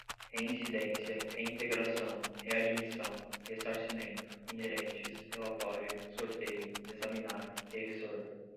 reincidência, reintegração, readmissão, ressarcimento, inerentes, relatório, sorteio, examinar, revisor